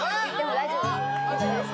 大丈夫です？